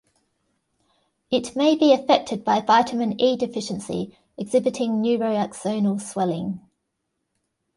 It may be affected by vitamin E deficiency exhibiting neuroaxonal swelling.